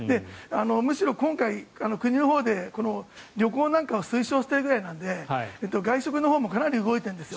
むしろ今回、国のほうで旅行なんかを推奨してるくらいなので外食のほうもかなり動いているんですよ。